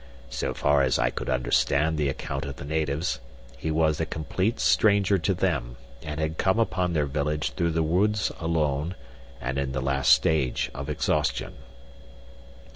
So far as I could understand the account of the natives, he was a complete stranger to them, and had come upon their village through the woods alone and in the last stage of exhaustion.